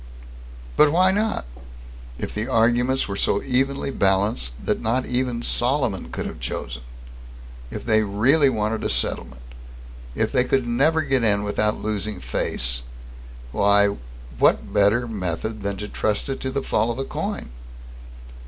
But why not? If the arguments were so evenly balanced that not even Solomon could have chosen, if they really wanted a settlement, if they could never give in without losing "face" why, what better method than to trust it to the fall of a coin?